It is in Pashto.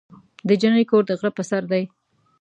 د جینۍ کور د غره په سر دی.